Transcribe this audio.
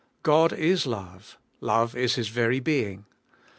God is love. Love is His very being.